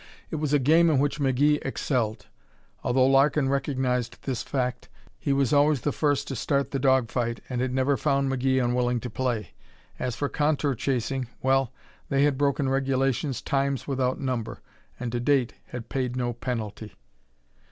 It was a game in which McGee excelled. Although Larkin recognized this fact, he was always the first to start the dog fight and had never found McGee unwilling to play. As for contour chasing well, they had broken regulations times without number, and to date had paid no penalty.